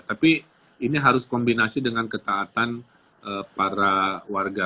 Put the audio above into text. tapi ini harus kombinasi dengan ketaatan para warga